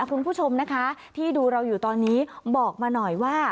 คุณผู้ชมนะคะที่ดูเราอยู่ตอนนี้บอกมาหน่อยว่า